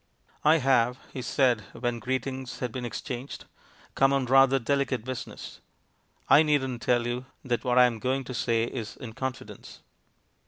"I have," he said, when greetings had been ex changed, "come on rather delicate business. I needn't tell you that what I am going to say is in confidence."